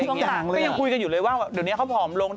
ก็ยังคุยกันอยู่เลยว่าเดี๋ยวนี้เขาผอมลง